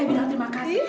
eh bilang terima kasih